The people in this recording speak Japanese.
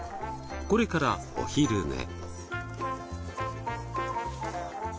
これからお昼寝。